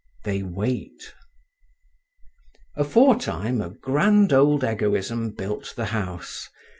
They wait. Aforetime a grand old Egoism built the House.